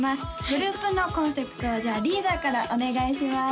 グループのコンセプトはじゃあリーダーからお願いします